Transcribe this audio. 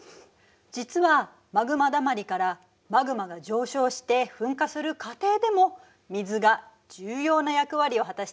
実はマグマだまりからマグマが上昇して噴火する過程でも水が重要な役割を果たしているのよ。